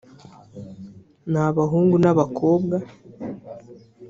n’abahungu n’abakobwa